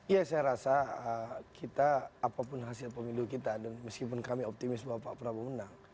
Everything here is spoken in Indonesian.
ya saya rasa kita apapun hasil pemilu kita dan meskipun kami optimis bahwa pak prabowo menang